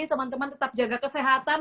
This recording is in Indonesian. teman teman tetap jaga kesehatan